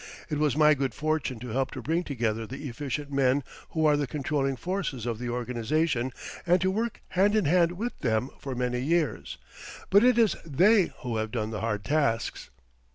It was my good fortune to help to bring together the efficient men who are the controlling forces of the organization and to work hand in hand with them for many years, but it is they who have done the hard tasks.